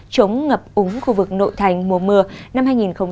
chống ngập úng khu vực nội thành mùa mưa năm hai nghìn hai mươi